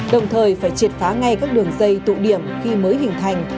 đồng thời phải triệt phá ngay các đường dây tụ điểm khi mới hình thành